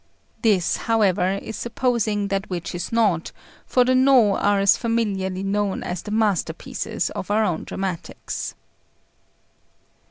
This, however, is supposing that which is not, for the Nô are as familiarly known as the masterpieces of our own dramatists.